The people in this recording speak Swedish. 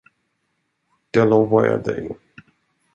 Det lovar jag dig.